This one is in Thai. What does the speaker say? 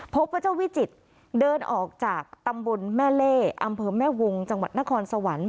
พบว่าเจ้าวิจิตรเดินออกจากตำบลแม่เล่อำเภอแม่วงจังหวัดนครสวรรค์